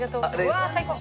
うわ最高！